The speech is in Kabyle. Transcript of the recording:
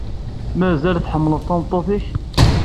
Mazal tḥemmleḍ tameṭṭut-ik?